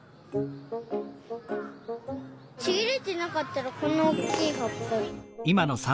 ちぎれてなかったらこんなおおきいはっぱ。